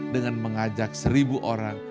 dengan mengajak seribu orang